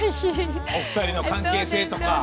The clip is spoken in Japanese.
お二人の関係性とか。